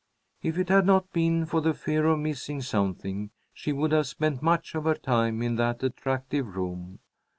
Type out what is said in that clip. If it had not been for the fear of missing something, she would have spent much of her time in that attractive room.